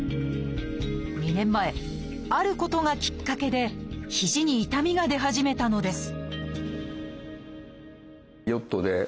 ２年前あることがきっかけで肘に痛みが出始めたのです